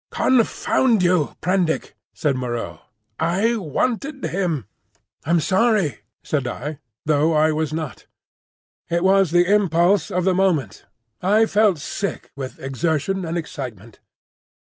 "Confound you, Prendick!" said Moreau. "I wanted him." "I'm sorry," said I, though I was not. "It was the impulse of the moment." I felt sick with exertion and excitement.